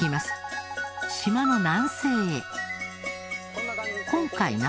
島の南西へ。